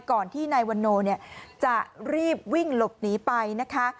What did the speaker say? ก่อนที่นายวันโนจะรีบวิ่งหลบหนีไปนะคะ